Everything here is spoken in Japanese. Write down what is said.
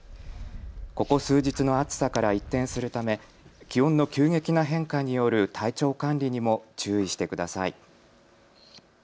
ここ数日の暑さから一転するため気温の急激な変化による体調管理にも注意してください。